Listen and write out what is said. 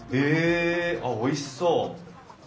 あっおいしそう。